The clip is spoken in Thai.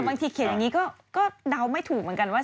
บางทีเขียนอย่างนี้ก็เดาไม่ถูกเหมือนกันว่า